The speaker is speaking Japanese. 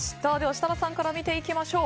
設楽さんから見ていきましょう。